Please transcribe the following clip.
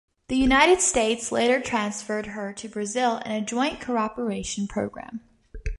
The United States later transferred her to Brazil in a joint cooperation program.